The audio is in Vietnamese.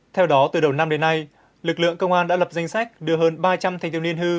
theo đó từ đầu năm đến nay lực lượng công an đã lập danh sách đưa hơn ba trăm linh thanh thiếu niên hư